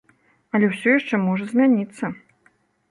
Але ўсё яшчэ можа змяніцца.